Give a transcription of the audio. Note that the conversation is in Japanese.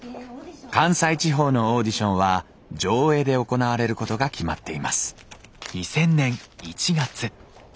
関西地方のオーディションは条映で行われることが決まっています